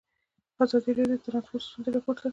ازادي راډیو د ترانسپورټ ستونزې راپور کړي.